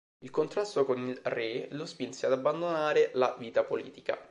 Il contrasto con il re lo spinse ad abbandonare la vita politica.